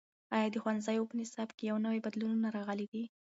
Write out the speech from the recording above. ایا د ښوونځیو په نصاب کې نوي بدلونونه راغلي دي؟